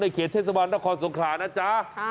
ในเขตเทศวรรณนครสงครานะจ๊ะ